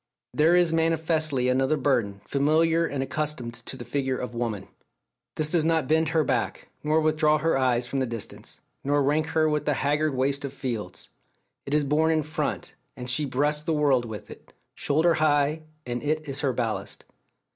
There is manifestly another burden, familiar and accustomed to the figure of woman. This does not bend her back, nor withdraw her eyes from the distance, nor rank her with the haggard waste of fields. It is borne in front, and she breasts the world with it; shoulder high, and it is her ballast.